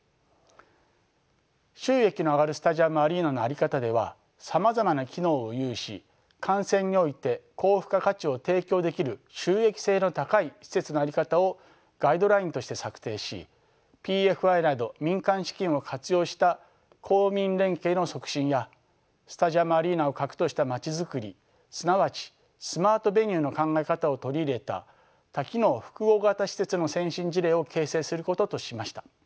収益の上がるスタジアム・アリーナのあり方ではさまざまな機能を有し観戦において高付加価値を提供できる収益性の高い施設のあり方をガイドラインとして策定しＰＦＩなど民間資金を活用した公民連携の促進やスタジアム・アリーナを核とした街づくりすなわちスマート・ベニューの考え方を取り入れた多機能複合型施設の先進事例を形成することとしました。